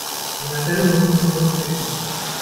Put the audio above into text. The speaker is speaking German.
An der Stelle muss ich mal kurz spicken.